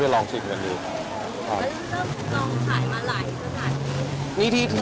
แล้วนี่เจ้าพี่น้องขายมาหลายที่ไหน